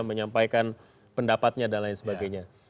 menyampaikan pendapatnya dan lain sebagainya